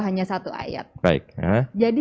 hanya satu ayat jadi